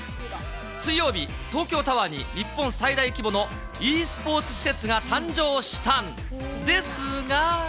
水曜日、東京タワーに日本最大規模のｅスポーツ施設が誕生したんですが。